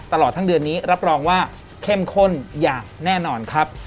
ตลอดทั้งเดือนนี้รับรองว่าเข้มข้นอย่างแน่นอนครับ